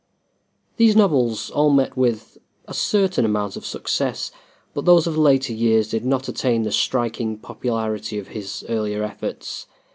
These novels all met with a certain amount of success, but those of later years did not attain the striking popularity of his earlier efforts.